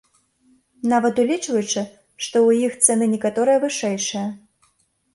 Нават улічваючы, што ў іх цэны некаторыя вышэйшыя.